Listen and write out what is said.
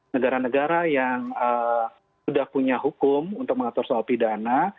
negara negara yang sudah punya hukum untuk mengatur soal pidana